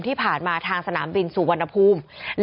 ที่ผ่านมาทางสนามบินสุวรรณภูมิ